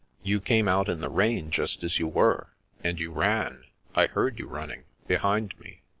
" You came out in the rain just as you were, and you ran — I heard you running, behind me.